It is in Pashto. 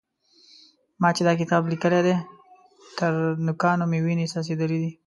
ما چې دا کتاب لیکلی دی؛ تر نوکانو مې وينې څڅېدلې دي.